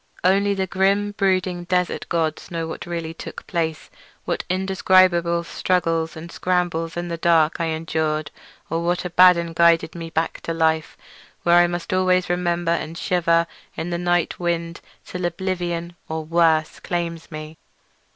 Only the grim brooding desert gods know what really took place—what indescribable struggles and scrambles in the dark I endured or what Abaddon guided me back to life, where I must always remember and shiver in the night wind till oblivion—or worse—claims me.